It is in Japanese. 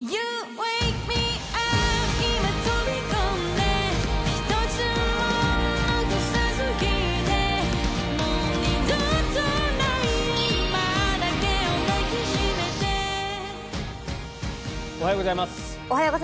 おはようございます。